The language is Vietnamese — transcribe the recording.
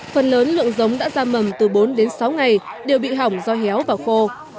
phần lớn lượng giống đã ra mầm từ bốn đến sáu ngày đều bị hỏng do héo và khô